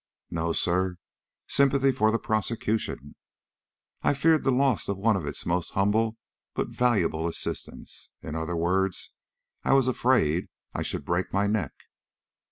"No, sir; sympathy for the prosecution. I feared the loss of one of its most humble but valuable assistants. In other words, I was afraid I should break my neck."